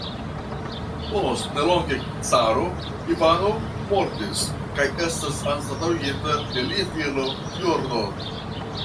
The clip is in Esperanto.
Post nelonge caro Ivano mortis kaj estas anstataŭigita de lia filo Fjodor.